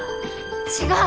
違う！